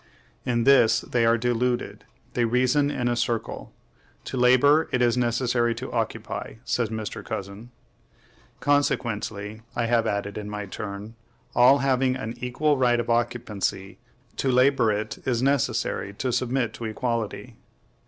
In this they are deluded; they reason in a circle. To labor it is necessary to occupy, says M. Cousin. Consequently, I have added in my turn, all having an equal right of occupancy, to labor it is necessary to submit to equality.